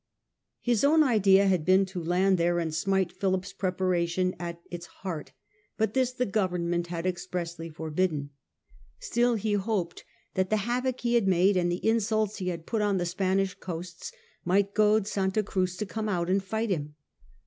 His own idea had been to land there and smito Philip's preparation at its heart, but this the Govern ment had expressly forbidden.^ Still he hoped that the havoc he had made and the insults he had put on the Spanish coasts might goad Santa Cruz to come out and fight him.